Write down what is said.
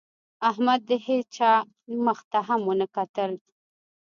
احمد د هېڅا مخ ته هم ونه کتل.